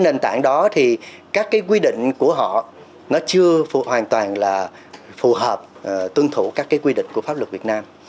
nền tảng đó thì các quy định của họ nó chưa hoàn toàn là phù hợp tuân thủ các quy định của pháp luật việt nam